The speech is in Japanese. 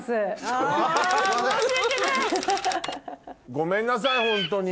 ごめんなさいホントに。